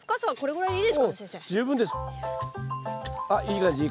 はい。